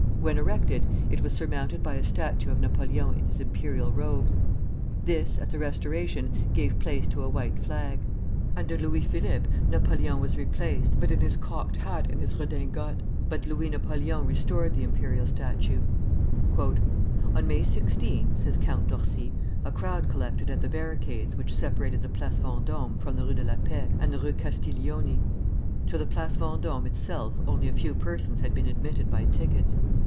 When erected, it was surmounted by a statue of Napoleon in his imperial robes; this, at the Restoration, gave place to a white flag. Under Louis Philippe, Napoleon was replaced, but in his cocked hat and his redingote, but Louis Napoleon restored the imperial statue. "On May 16," says Count Orsi, "a crowd collected at the barricades which separated the Place Vendôme from the Rue de la Paix and the Rue Castiglione. To the Place Vendôme itself only a few persons had been admitted by tickets.